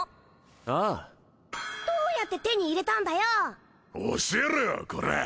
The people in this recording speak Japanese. ああどうやって手に入れたんだよ教えろよこら